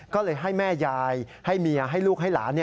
ก็เลยให้แม่ยายให้เมียให้ลูกให้หลาน